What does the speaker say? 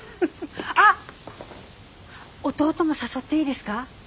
あっ弟も誘っていいですか？